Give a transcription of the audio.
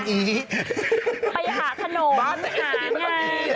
ไปหาขนมไม่ใช่หางาน